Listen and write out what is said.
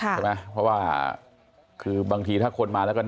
ใช่ไหมเพราะว่าคือบางทีถ้าคนมาแล้วก็